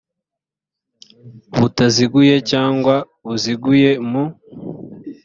butaziguye cyangwa buziguye mu